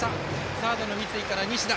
サードの三井から西田。